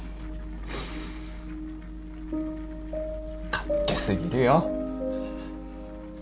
勝手過ぎるよ。